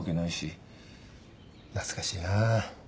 懐かしいな。